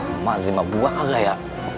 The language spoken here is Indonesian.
emang emak buah kagak ya